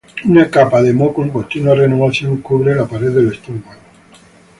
Una capa de moco en continua renovación cubre la pared del estómago.